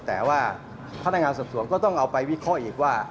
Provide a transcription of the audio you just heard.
แต่ว่าพนักงานสอบสวนก็ต้องเอาไปวิเคราะห์อีกว่า